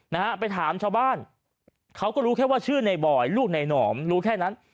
นะฮะไปถามชาวบ้านเขาก็รู้แค่ว่าชื่อในบอยลูกในหนอมรู้แค่นั้น